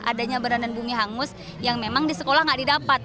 adanya belanda dan bumi halmus yang memang di sekolah tidak didapat